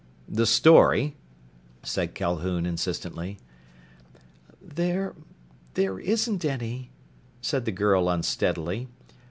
"The story?" said Calhoun insistently. "There there isn't any," said the girl unsteadily.